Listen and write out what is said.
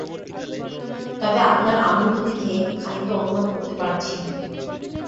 তবে আপনার আনন্দ দেখে খানিকটা অনুমান করতে পারছি।